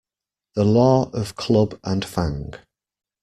The Law of Club and Fang